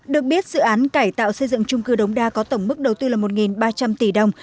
được biết dự án cải tạo xây dựng trung cư đống đa có tổng mức đầu tư là một ba trăm linh tỷ đồng